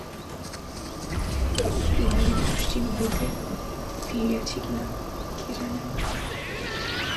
বিহারী পশ্চিম হইতে ফিরিয়াছে কি না, কে জানে।